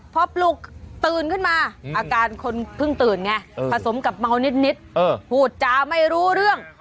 พอปลุกตื่นขึ้นมาอาการคนเพิ่งตื่นไงผสมกับเมานิดพูดจาไม่รู้เรื่อง